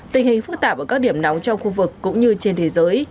tình hình phức tạp ở các điểm nóng trong khu vực cũng như trên thế giới